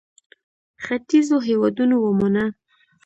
ختیځو هېوادونو ومانه.